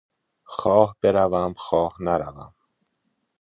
خواه بروم خواه نروم